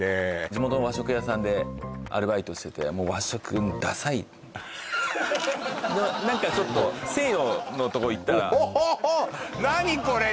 地元の和食屋さんでアルバイトしててでも何かちょっと西洋のとこ行ったらおほほほっ何これ？